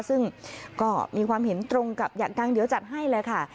ซึ่งก็มีความเห็นตรงกับอย่างดังเดี๋ยวจัดให้เลยค่ะ